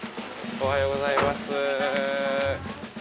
・おはようございます。